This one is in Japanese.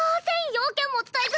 要件も伝えず。